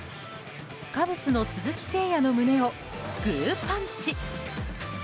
カブスの鈴木誠也の胸をグーパンチ。